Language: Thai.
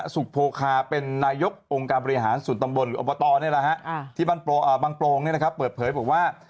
สุขโพคาเป็นนายกองค์การบริหารส่วนตำบลหรืออบตนี่แหละฮะที่บางโปรงเปิดเผยบอกว่า